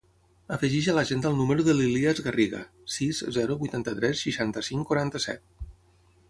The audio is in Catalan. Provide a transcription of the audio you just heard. Afegeix a l'agenda el número de l'Ilyas Garriga: sis, zero, vuitanta-tres, seixanta-cinc, quaranta-set.